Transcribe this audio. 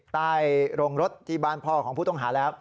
โรงรถที่บ้านพ่อของผู้ต้องหาแล้ว